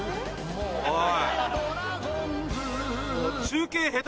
おい。